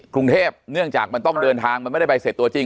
กรุงเทพเนื่องจากมันต้องเดินทางมันไม่ได้ใบเสร็จตัวจริง